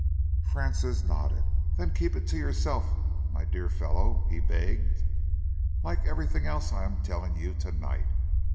Francis nodded. "Then keep it to yourself, my dear fellow," he begged, "like everything else I am telling you tonight.